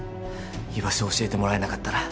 居場所を教えてもらえなかったら？